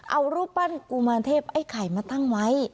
เอารูปปั้นกุมารเทพไอ้ไข่มาตั้งไว้